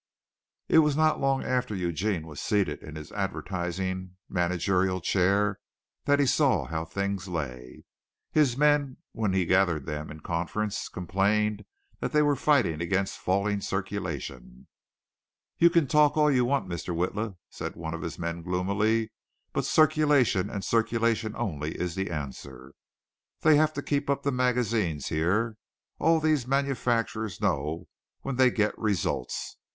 It was not long after Eugene was seated in his advertising managerial chair that he saw how things lay. His men, when he gathered them in conference, complained that they were fighting against falling circulations. "You can talk all you want, Mr. Witla," said one of his men gloomily, "but circulation and circulation only is the answer. They have to keep up the magazines here. All these manufacturers know when they get results.